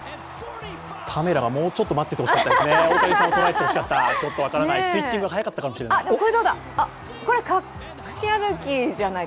カメラがもうちょっと待っててほしかったですね、大谷さんを捉えてほしかったスイッチング早かったかもしれない。